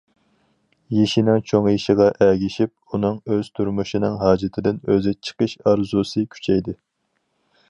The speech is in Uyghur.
يېشىنىڭ چوڭىيىشىغا ئەگىشىپ، ئۇنىڭ ئۆز تۇرمۇشىنىڭ ھاجىتىدىن ئۆزى چىقىش ئارزۇسى كۈچەيدى.